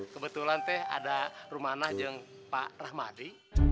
kebetulan teh ada rumah najeng pak rahmadi